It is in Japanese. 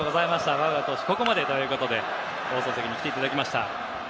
バウアー投手はここまでということで放送席に来ていただきました。